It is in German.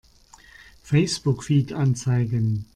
Facebook-Feed anzeigen!